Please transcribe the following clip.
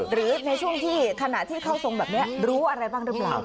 หรือในช่วงที่ขณะที่เข้าทรงแบบเนี้ยรู้อะไรบ้างได้บ้าง